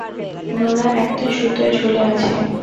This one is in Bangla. নোরা একটা সুতোয় ঝুলে আছে।